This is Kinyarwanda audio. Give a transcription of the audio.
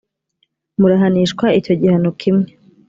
murahanishwa icyo gihano kimwe